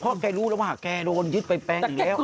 พอโอเครู้แล้วว่าแกโดนยึดไปแปลงอยู่แล้ว